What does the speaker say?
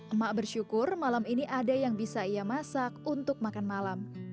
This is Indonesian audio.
emak bersyukur malam ini ada yang bisa ia masak untuk makan malam